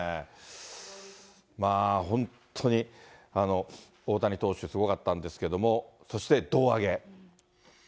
まあ本当に大谷投手、すごかったんですけれども、そして胴上げ。